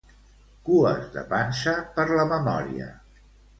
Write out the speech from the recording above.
cues de pansa per la memòria